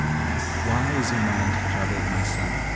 "Why is your mind troubled, my son?"